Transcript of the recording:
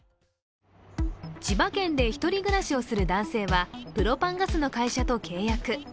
千葉県で１人暮らしをする男性はプロパンガスの会社と契約。